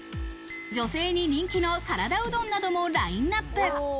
女性に人気のサラダうどんなどもラインナップ。